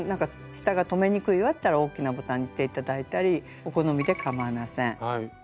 下が留めにくいわっていったら大きなボタンにして頂いたりお好みでかまいません。